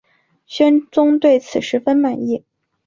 宣宗对此十分满意。